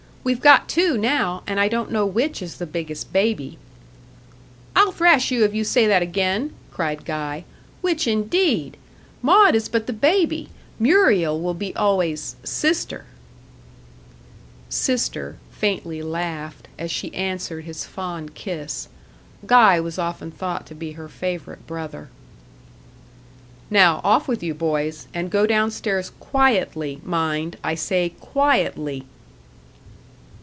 "We've got two now; and I don't know which is the biggest baby." "I'll thrash you if you say that again," cried Guy. "Which, indeed? Maud is but the baby. Muriel will be always 'sister.'" "Sister" faintly laughed, as she answered his fond kiss Guy was often thought to be her favourite brother. "Now, off with you, boys; and go down stairs quietly mind, I say quietly."